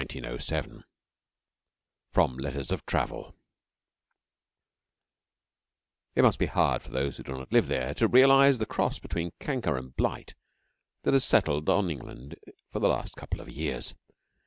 THE ROAD TO QUEBEC (1907) It must be hard for those who do not live there to realise the cross between canker and blight that has settled on England for the last couple of years.